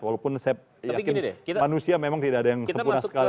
menyakini manusia memang tidak ada yang sempurna sekali